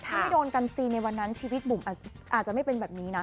ถ้าไม่โดนกันซีในวันนั้นชีวิตบุ๋มอาจจะไม่เป็นแบบนี้นะ